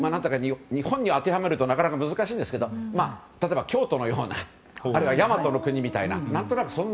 日本に当てはめるとなかなか難しいんですけどまあ、例えば京都のような。あるいは大和国みたいな。